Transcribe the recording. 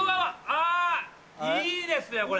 あぁいいですねこれ。